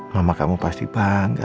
mama kamu pasti bangga